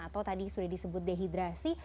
atau tadi sudah disebut dehidrasi